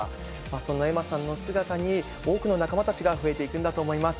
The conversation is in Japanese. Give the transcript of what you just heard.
そんな愛茉さんの姿に、多くの仲間たちが増えていくんだと思います。